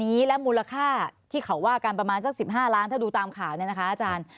นี้และมูลค่าที่เขาว่ากันประมาณสัก๑๕ล้านถ้าดูตามข่าวเนี่ยนะคะอาจารย์